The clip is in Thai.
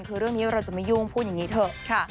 คือเรื่องนี้เราจะไม่ยุ่งพูดอย่างนี้เถอะ